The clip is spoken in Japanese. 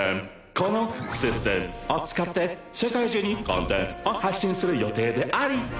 このシステムを使って世界中にコンテンツを発信する予定であり。